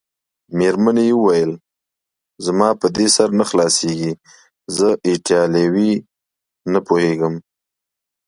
مېرمنې وویل: زما په دې سر نه خلاصیږي، زه ایټالوي نه پوهېږم.